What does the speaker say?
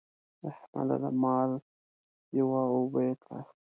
احمده! دا مال یوه او اوبه يې کړه.